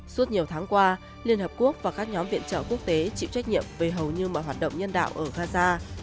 suốt nhiều tháng qua liên hợp quốc và các nhóm viện trợ quốc tế chịu trách nhiệm về hầu như mọi hoạt động nhân đạo ở gaza